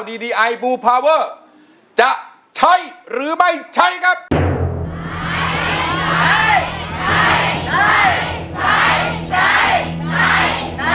ใช้ใช้ใช้ใช้ใช้ใช้ใช้ใช้ใช้ใช้ใช้